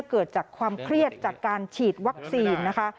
เกิดจากความเครียดจากการฉีดวัคซีนนะคะ